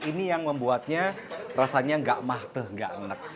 ini yang membuatnya rasanya nggak matah nggak enek